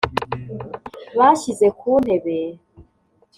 bashyize ku ntebe